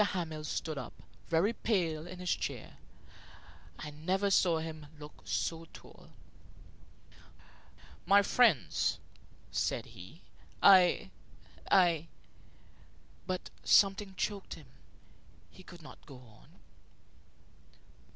Hamel stood up, very pale, in his chair. I never saw him look so tall. "My friends," said he, "I I " But something choked him. He could not go on.